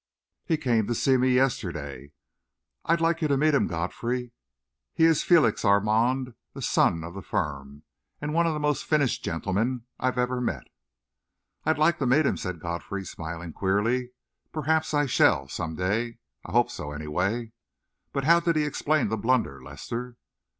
"He came to see me yesterday. I'd like you to meet him, Godfrey. He is Félix Armand, the 'son' of the firm, and one of the most finished gentlemen I ever met." "I'd like to meet him," said Godfrey, smiling queerly. "Perhaps I shall, some day; I hope so, anyway. But how did he explain the blunder, Lester?"